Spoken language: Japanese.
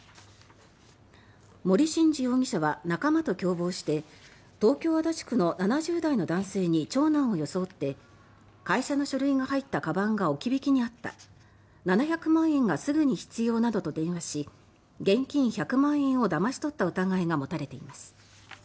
森伸二容疑者は仲間と共謀して東京・足立区の７０代の男性に長男を装って会社の書類が入ったかばんが置き引きに遭った７００万円がすぐに必要などと電話し現金１００万円をだまし取った疑いが持たれています。